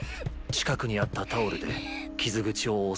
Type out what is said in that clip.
近くにあったタオルで傷口をおさえて。